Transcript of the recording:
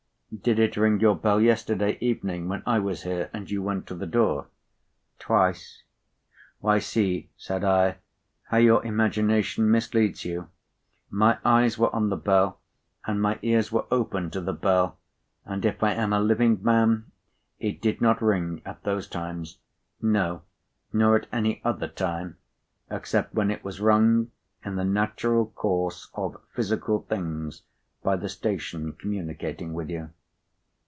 "Did it ring your bell yesterday evening when I was here, and you went to the door?" "Twice." "Why, see," said I, "how your imagination misleads you. My eyes were on the bell, and my ears were open to the bell, and if I am a living man, it did not ring at those times. No, nor at any other time, except when it was rung in the natural course of physical things by the station communicating with you."